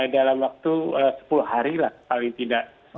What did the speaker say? dalam waktu sepuluh hari lah paling tidak